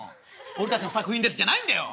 「俺たちの作品です」じゃないんだよ！